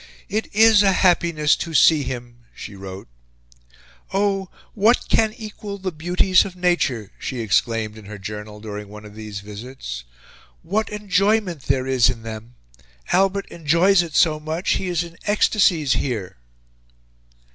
"It is a happiness to see him," she wrote. "Oh! What can equal the beauties of nature!" she exclaimed in her journal, during one of these visits. "What enjoyment there is in them! Albert enjoys it so much; he is in ecstasies here."